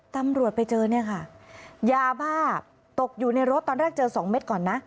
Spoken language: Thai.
ตำรวจไปเจอเนี่ยค่ะยาบ้าตกอยู่ในรถตอนแรกเจอสองเม็ดก่อนนะ